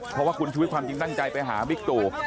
เพราะว่าคุณชุวิตความจริงตั้งใจไปหาบิ๊กตู่